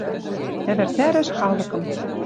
Ӹвӹртӓрӹш халыкым.